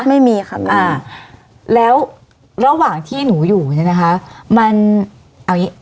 ไม่มีครับอ่าแล้วระหว่างที่หนูอยู่เนี่ยนะคะมันเอาอย่างงี้